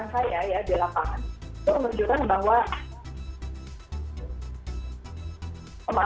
penelusuran saya di lapangan itu menunjukkan bahwa